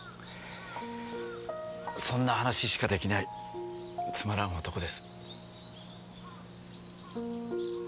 そんな話しか出来ないつまらん男です。